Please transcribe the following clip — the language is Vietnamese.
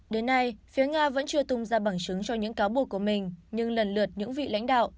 đến nay phía nga vẫn chưa tung ra bằng chứng cho những cáo buộc của mình nhưng lần lượt những vị lãnh đạo